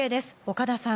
岡田さん。